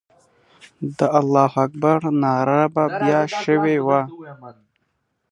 د الله اکبر ناره به بیا سوې وه.